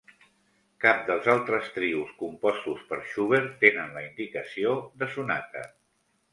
Cap dels altres trios compostos per Schubert tenen la indicació de sonata.